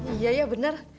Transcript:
iya iya bener